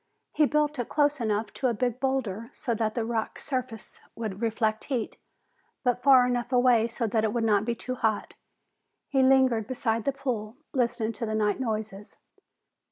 He built it close enough to a big boulder so that the rock's surface would reflect heat, but far enough away so that it would not be too hot. He lingered beside the pool, listening to the night noises.